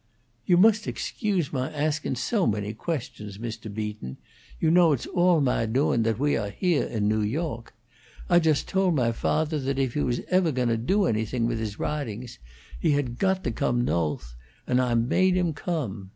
"You most excuse my asking so many questions, Mr. Beaton. You know it's all mah doing that we awe heah in New York. Ah just told mah fathaw that if he was evah goin' to do anything with his wrahtings, he had got to come No'th, and Ah made him come.